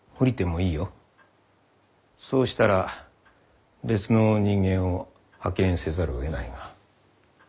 そうしたら別の人間を派遣せざるをえないが。